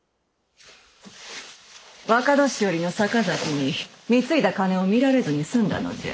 若年寄の坂崎に貢いだ金を見られずに済んだのじゃ。